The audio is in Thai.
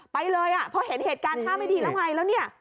ไปเลยอ่ะพอเห็นเหตุการณ์ท่าไม่ดีแล้วไงแล้วเนี่ย